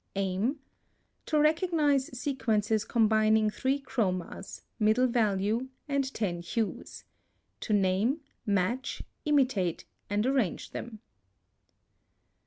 Aim. To recognize sequences combining three chromas, middle value, and ten hues. To name, match, imitate, and arrange them.